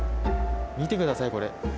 見てくださいこれ。